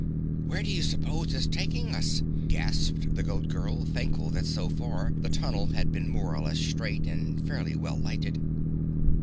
"Where do you suppose it's taking us?" gasped the Goat Girl, thankful that so far the tunnel had been more or less straight and fairly well lighted.